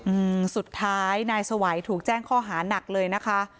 อืมสุดท้ายนายสวัยถูกแจ้งข้อหานักเลยนะคะ